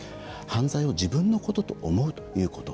犯罪を自分のことと思うということ。